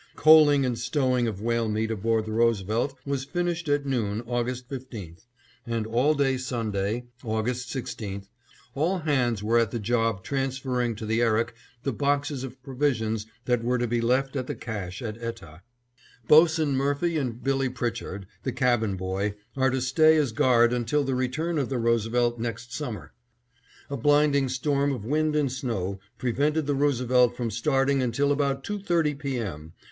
Coaling and stowing of whale meat aboard the Roosevelt was finished at noon, August 15, and all day Sunday, August 16, all hands were at the job transferring to the Erik the boxes of provisions that were to be left at the cache at Etah. Bos'n Murphy and Billy Pritchard, the cabin boy, are to stay as guard until the return of the Roosevelt next summer. A blinding storm of wind and snow prevented the Roosevelt from starting until about two thirty P. M.